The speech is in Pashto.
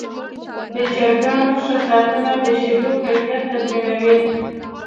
د چرګانو ښه ساتنه د شیدو کیفیت تضمینوي.